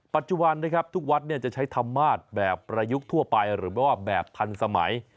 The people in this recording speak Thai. ปัจจุบันนะครับทุกวัดจะใช้ธรรมาศแบบประยุกต์ทั่วไปหรือว่าแบบทันสมัย